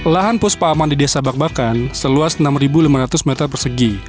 lahan puspa aman di desa bak bakan seluas enam lima ratus meter persegi